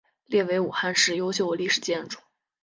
列为武汉市优秀历史建筑。